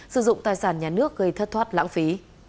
sử dụng tài sản nhà nước gây thất thoát lãng phí